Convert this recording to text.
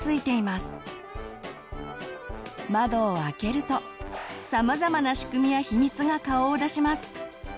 まどを開けるとさまざまな仕組みや秘密が顔を出します。